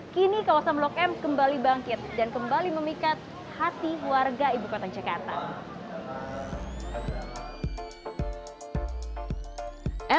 kini kawasan blok m kembali bangkit dan kembali memikat hati warga ibu kota jakarta